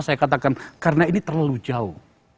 saya katakan karena ini terlalu jauh